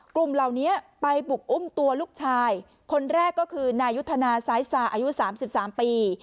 กลุ่มเหล่านี้ไปบุกอุ้มตัวลูกชายคนแรกก็คือนายุทธนาซ้ายสาอายุ๓๓ปี